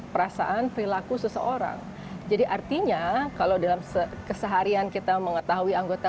perasaan perilaku seseorang jadi artinya kalau dalam sehari hari an kita mengetahui anggota